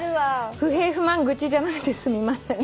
「不平不満愚痴じゃなくてすみません」